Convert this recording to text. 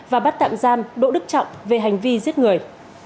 và bắt tạm giam đỗ đức trọng về hành vi giết người